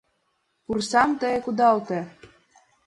Пурсам тые кудалте